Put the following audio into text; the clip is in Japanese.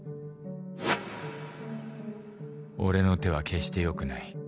俺の手は決してよくない